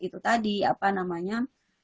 itu tadi apa namanya